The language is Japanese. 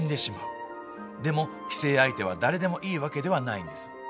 でも寄生相手は誰でもいいわけではないんです。